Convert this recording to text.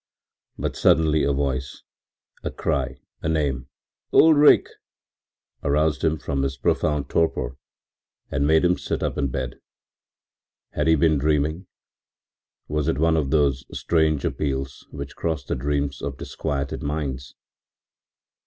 But suddenly a voice, a cry, a name, “Ulrich!” aroused him from his profound torpor and made him sit up in bed. Had he been dreaming? Was it one of those strange appeals which cross the dreams of disquieted minds?